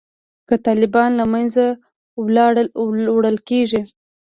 که طالبان له منځه وړل کیږي